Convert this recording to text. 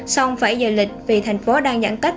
xong phải giờ lịch vì thành phố đang giãn cách